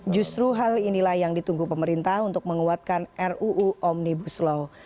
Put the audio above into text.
justru hal inilah yang ditunggu pemerintah untuk menguatkan ruu omnibus law